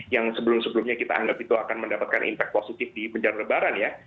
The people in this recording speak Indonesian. yang sebelum sebelumnya kita anggap itu akan mendapatkan impact positif di menjelang lebaran ya